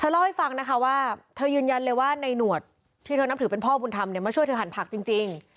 เล่าให้ฟังนะคะว่าเธอยืนยันเลยว่าในหนวดที่เธอนับถือเป็นพ่อบุญธรรมเนี่ยมาช่วยเธอหันผักจริง